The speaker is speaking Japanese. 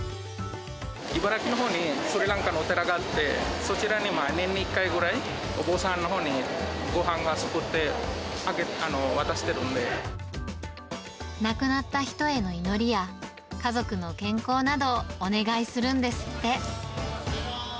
茨城のほうにスリランカのお寺があって、そちらに、年に１回ぐらい、お坊さんのほうにごはんを作ってあげて、亡くなった人への祈りや、家族の健康などをお願いするんですって。